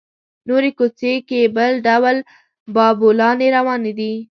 نورې کوڅې کې بل ډول بابولالې روانې دي.